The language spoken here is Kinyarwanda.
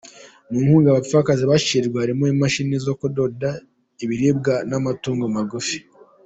Mu nkunga aba bapfakazi bashyikirijwe harimo imashini zo kudoda, ibiribwa n’amatungo magufi.